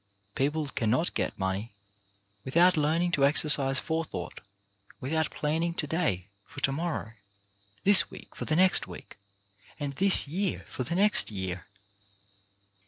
People cannot get money without learning to exercise forethought, without plan ning to day for to morrow, this week for the next week, and this year for next year.